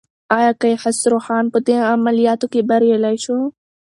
ایا کیخسرو خان په دې عملیاتو کې بریالی شو؟